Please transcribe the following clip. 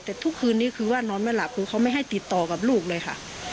แต่ทุกคืนนี้คือว่านอนไม่หลับคือเขาไม่ให้ติดต่อกับลูกเลยค่ะ